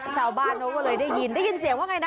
ชาวบ้านเขาก็เลยได้ยินได้ยินเสียงว่าไงนะ